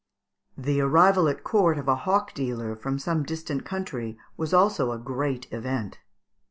The arrival at court of a hawk dealer from some distant country was also a great event.